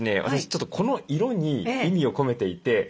私ちょっとこの色に意味を込めていて。